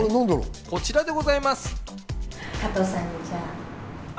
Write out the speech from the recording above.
こちらでございます。